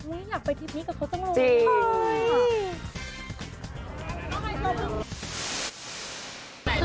อยากไปทริปนี้กับเขาจังเลย